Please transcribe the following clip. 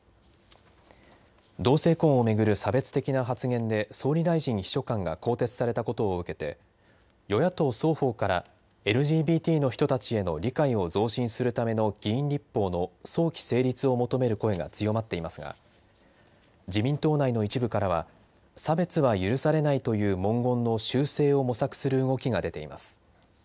同性婚を巡る差別的な発言で総理大臣秘書官が更迭されたことを受けて与野党双方からＬＧＢＴの人たちへの理解を増進するための議員立法の早期成立を求める声が強まっていますが自民党内の一部からは差別は許されないという文言の修正を模索する動きが出ています。